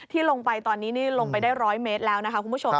ที่ลงไปตอนนี้นี่ลงไปได้๑๐๐เมตรแล้วนะคะคุณผู้ชม